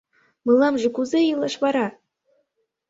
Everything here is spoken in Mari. Мыламже кузе илаш вара?